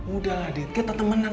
udah lah dede kita temenan